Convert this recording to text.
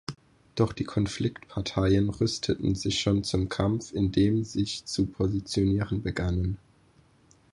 Doch die Konfliktparteien rüsteten sich schon zum Kampf, in dem sich zu positionieren begannen.